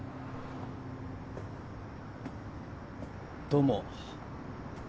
どうも。